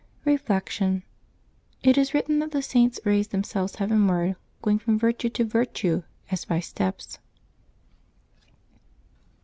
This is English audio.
Reflection. — It is written that the Saints raise them selves heavenward, going from virtue to virtue, as by steps.